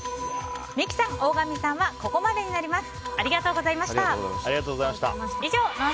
三木さん、大神さんはここまでになります。